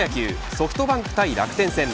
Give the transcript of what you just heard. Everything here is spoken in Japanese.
ソフトバンク対楽天戦。